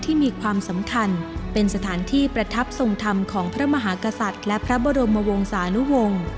มีความสำคัญเป็นสถานที่ประทับทรงธรรมของพระมหากษัตริย์และพระบรมวงศานุวงศ์